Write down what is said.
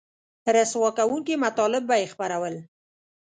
رسوا کوونکي مطالب به یې خپرول